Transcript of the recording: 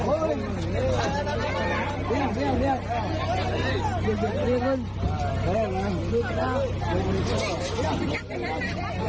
โอครับครับ